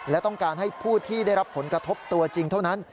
และต้องการให้ผู้ที่ได้รับผลกระทบตัวจริงเท่านั้น